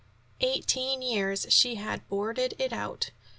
Eighteen years she had "boarded it out."